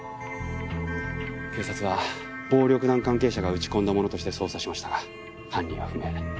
警察は暴力団関係者が撃ち込んだものとして捜査しましたが犯人は不明。